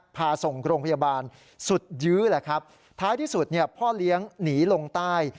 พาส่งโรงพยาบาลสุดยื้อแหละครับท้ายที่สุดเนี่ยพ่อเลี้ยงหนีลงใต้